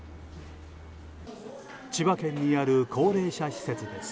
千葉県にある高齢者施設です。